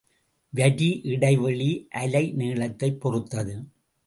வரி இடைவெளி அலை நீளத்தைப் பொறுத்தது.